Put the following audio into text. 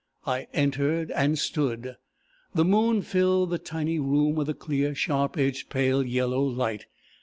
I entered, and stood. The moon filled the tiny room with a clear, sharp edged, pale yellow light.